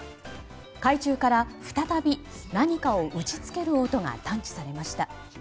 海中から再び何かを打ち付ける音が探知されました。